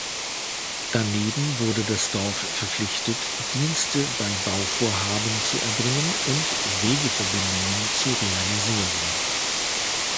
Daneben wurde das Dorf verpflichtet, Dienste bei Bauvorhaben zu erbringen und Wegeverbindungen zu realisieren.